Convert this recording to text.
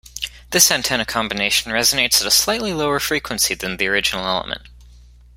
This antenna combination resonates at a slightly lower frequency than the original element.